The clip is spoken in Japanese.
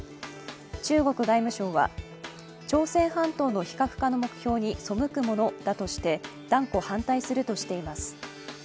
中国外務省は朝鮮半島の非核化の目標に背くものだとして断固反対するとしています。